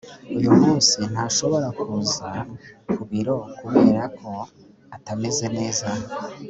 uyu munsi ntashobora kuza ku biro kubera ko atameze neza